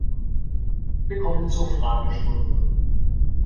Wir kommen zur Fragestunde.